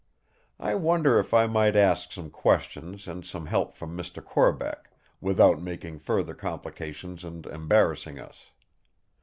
I wonder if I might ask some questions and some help from Mr. Corbeck, without making further complications and embarrassing us.